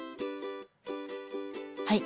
はい。